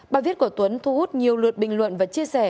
bài viết của tuấn thu hút nhiều lượt bình luận và chia sẻ